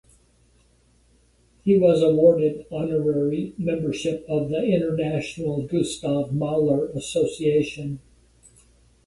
He was awarded honorary membership of the International Gustav Mahler Association.